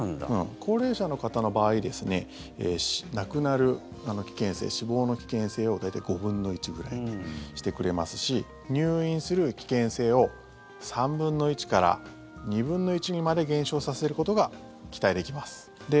高齢者の方の場合亡くなる危険性、死亡の危険性を大体５分の１ぐらいにしてくれますし入院する危険性を３分の１から２分の１にまで減少させることが期待できます。